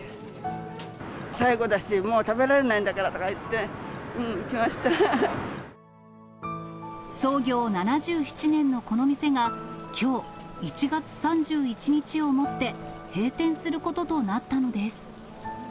最後だし、もう食べられない創業７７年のこの店が、きょう１月３１日をもって閉店することとなったのです。